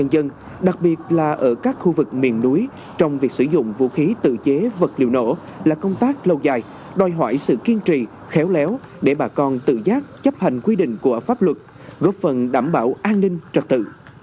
dân đặc biệt là ở các khu vực miền núi trong việc sử dụng vũ khí tự chế vật liệu nổ là công tác lâu dài đòi hỏi sự kiên trì khéo léo để bà con tự giác chấp hành quy định của pháp luật góp phần đảm bảo an ninh trật tự